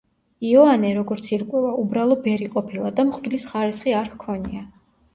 იოანე, როგორც ირკვევა, უბრალო ბერი ყოფილა და მღვდლის ხარისხი არ ჰქონია.